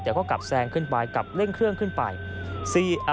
แต่ก็กลับแซงขึ้นไปกลับเร่งเครื่องขึ้นไป